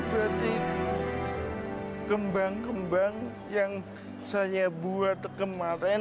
berarti kembang kembang yang saya buat kemarin